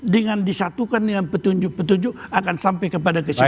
dengan disatukan dengan petunjuk petunjuk akan sampai kepada kesimpulan